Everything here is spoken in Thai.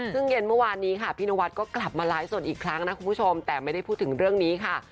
ซึ่งเย็นเมื่อวานนี้ค่ะพี่นวัดก็กลับมาไลฟ์สดอีกครั้งนะคุณผู้ชมแต่ไม่ได้พูดถึงเรื่องนี้ค่ะ